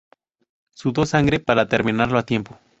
Sudó sangre para terminarlo a tiempo